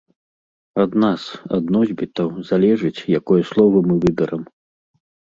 Ад нас, ад носьбітаў, залежыць, якое слова мы выберам.